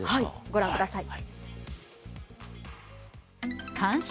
ご覧ください。